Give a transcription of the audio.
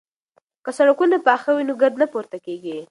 که سړکونه پاخه وي نو ګرد نه پورته کیږي.